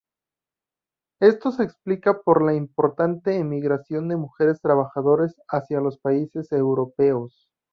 Esto se explica por la importante emigración de mujeres trabajadoras hacia los países europeos.